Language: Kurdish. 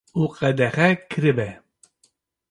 û qedexe kiribe